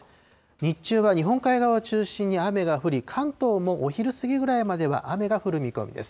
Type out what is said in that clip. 日中は日本海側を中心に雨が降り、関東もお昼過ぎぐらいまでは雨が降る見込みです。